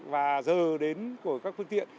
và giờ đến của các phương tiện